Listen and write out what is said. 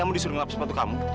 kamu disuruh ngelap sepatu kamu